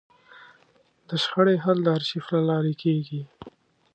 د شخړې حل د ارشیف له لارې کېږي.